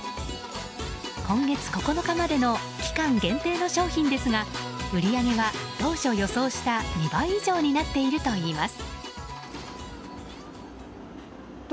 今月９日までの期間限定の商品ですが売り上げは当初予想した２倍以上になっているといいます。